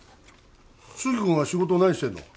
杉君は仕事何してんの？